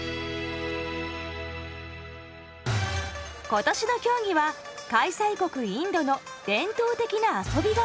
今年の競技は開催国インドの伝統的な遊びがモチーフ。